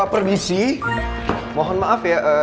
perdisi mohon maaf ya